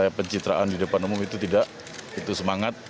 supaya pencitraan di depan umum itu tidak itu semangat